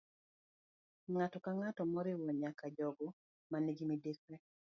Ng'ato ka ng'ato, moriwo nyaka jogo ma nigi midekre